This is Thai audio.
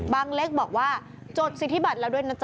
เล็กบอกว่าจดสิทธิบัตรแล้วด้วยนะจ